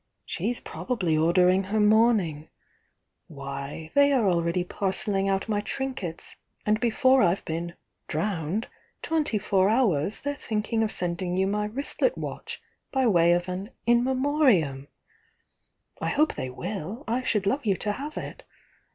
She's probably ordering her mourning. Why, they are already parcelling out my trinkets, and before I've been 'drowned' twenty four hours they're thinking of sending you my wristlet watch by way of an 'In Memoriam.' I hope they will, — I should love you to have it!